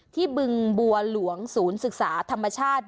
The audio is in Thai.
บึงบัวหลวงศูนย์ศึกษาธรรมชาติ